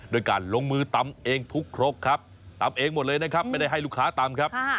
โดยการลงมือตำเองทุกครกครับตำเองหมดเลยนะครับไม่ได้ให้ลูกค้าตำครับ